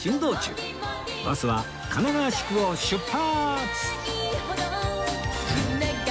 バスは神奈川宿を出発！